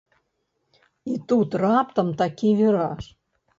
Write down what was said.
І тут раптам такі віраж.